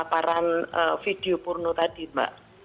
tanpa laparan video porno tadi mbak